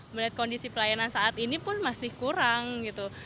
melihat kondisi pelayanan saat ini pun masih kurang gitu